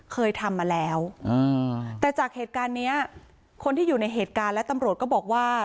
เคยทำมาแล้วแต่จากเหตุการณ์เนี้ยคนที่อยู่ในเหตุการณ์และตำรวจก็บอกว่า